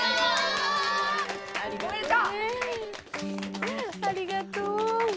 ありがとう。